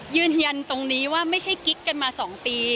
ยืนยันตรงนี้ว่าไม่ใช่กิ๊กกันมา๒ปี